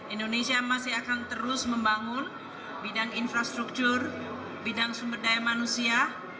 indonesia masih akan terus membangun bidang infrastruktur bidang sumber daya manusia